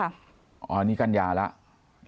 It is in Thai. อันนี้กัญญาแล้ว